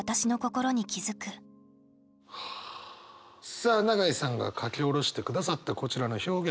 さあ永井さんが書き下ろしてくださったこちらの表現。